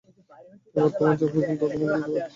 এবং তোমার যা প্রয়োজন তা তোমাকে দিতে পারি।